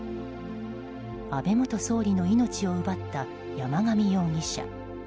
安倍元総理の命を奪った山上容疑者。